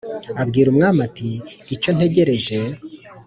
Abwira Umwami ati: "Icyo ntegereje